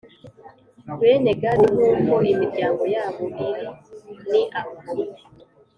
Bene Gadi nk uko imiryango yabo iri ni aba